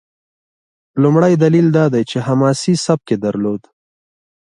لومړی دلیل دا دی چې حماسي سبک یې درلود.